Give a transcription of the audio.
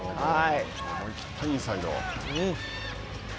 思い切ったインサイド。